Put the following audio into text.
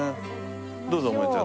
どうぞもえちゃん